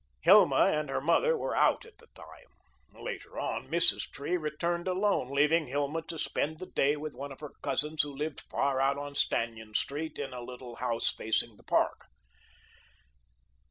Hilma and her mother were out at the time. Later on, Mrs. Tree returned alone, leaving Hilma to spend the day with one of her cousins who lived far out on Stanyan Street in a little house facing the park.